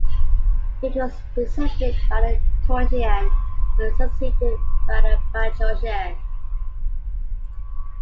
It was preceded by the Toarcian and succeeded by the Bajocian.